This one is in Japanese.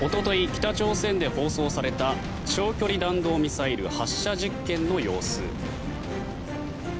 北朝鮮で放送された長距離弾道ミサイル発射実験の様子。